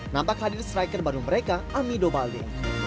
nampak hadir striker baru mereka amido balde